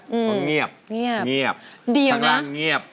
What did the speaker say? เขาเงียบเงียบทางร้านเงียบอืมเงียบเงียบเงียบ